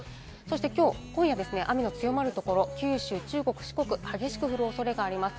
今日、今夜、雨の強まる所、九州、中国、四国、激しく降る恐れがあります。